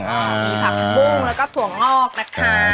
ก็มีผักบุ้งแล้วก็ถั่วงอกนะคะ